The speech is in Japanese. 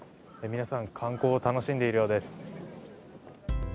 皆さん、観光を楽しんでいるようです。